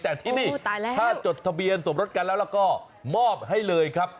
แต่ที่นี่ถ้าจดทะเบียนสมรสกันแล้วแล้วก็มอบให้เลยครับ